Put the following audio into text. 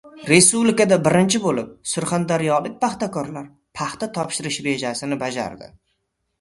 R yespublikada birinchi bo‘lib surxondaryolik paxtakorlar paxta topshirish rejasini bajardi